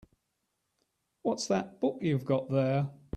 What's that book you've got there?